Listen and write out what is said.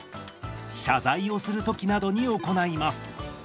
謝罪をする時などに行います。